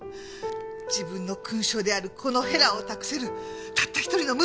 自分の勲章であるこのへらを託せるたった１人の息子。